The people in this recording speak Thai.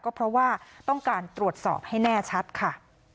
ก็เพราะว่าต้องการตรวจสอบให้แน่ชัดค่ะ